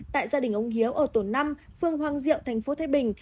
tại gia đình ông hiếu ở tổn năm phường hoàng diệu tp thái bình